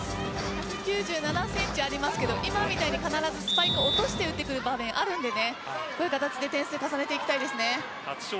１９７センチありますけど今のように必ずスパイク落として打ってくる場面あるのでこういう形で点数重ねていきたいですね。